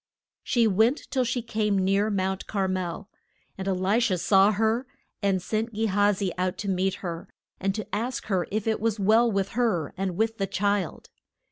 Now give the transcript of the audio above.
She went till she came near Mount Car mel. And E li sha saw her, and sent Ge ha zi out to meet her, and to ask her if it was well with her and with the child.